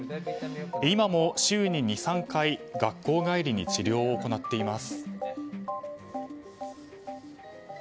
今も週に２３回学校帰りに治療を行っています。